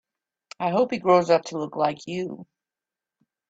I hope he grows up to look like you.